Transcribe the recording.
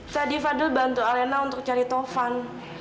sadi fadil bantu alina untuk cari tovan